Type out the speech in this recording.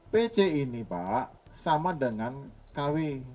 pc ini pak sama dengan kw